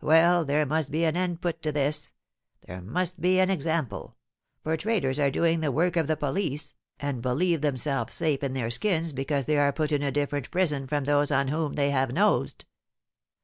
Well, there must be an end put to this! There must be an example; for traitors are doing the work of the police, and believe themselves safe in their skins because they are put in a different prison from those on whom they have nosed."